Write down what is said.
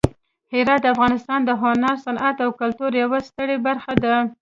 هرات د افغانستان د هنر، صنعت او کلتور یوه ستره برخه ده.